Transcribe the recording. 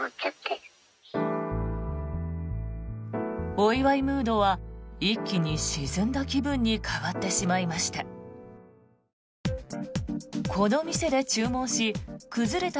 お祝いムードは一気に沈んだ気分に変わってしまいました。